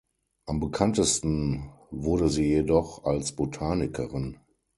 Am bekanntesten wurde sie jedoch als Botanikerin.